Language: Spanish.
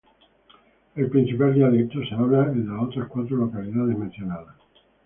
El principal dialecto se habla en las otras cuatro localidades mencionadas.